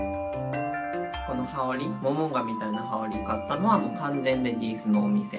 この羽織モモンガみたいな羽織買ったのはもう完全レディースのお店。